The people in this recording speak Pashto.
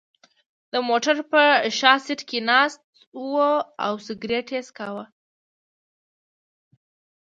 د موټر په شا سېټ کې ناست و او سګرېټ یې څکاو.